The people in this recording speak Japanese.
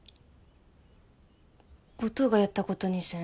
音がやったことにせん？